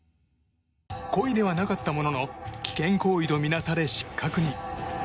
故意ではなかったものの危険行為とみなされ失格に。